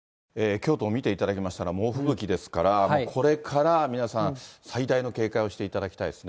京都も見ていただきましたが、猛吹雪ですから、これから皆さん、最大の警戒をしていただきたいですね。